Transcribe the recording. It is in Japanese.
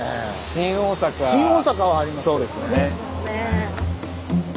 新大阪はありますけどね。